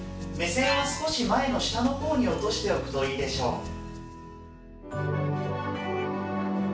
目線は少し前の下の方に落としておくといいでしょう。